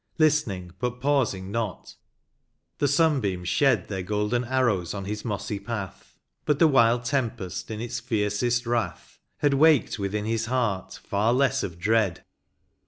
Listening, hut pausing not ; the sun heams shed Their golden arrows on his mossy path, But the wild tempest in its fiercest wrath Had waked within his heart far less of dread.